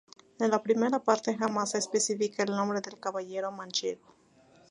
En la Primera Parte jamás se especifica el nombre del caballero manchego.